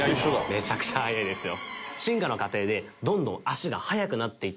めちゃくちゃ速いですよ。